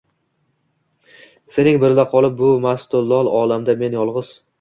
Sening birla qolib bu mastu lol olamda men yolg’iz